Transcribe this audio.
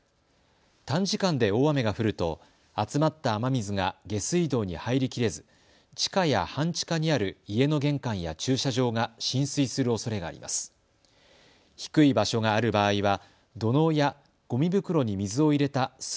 短時間で大雨が降ると集まった雨水が下水道に入りきれず地下や半地下にある家の玄関や駐車場が浸水するおそれがあります。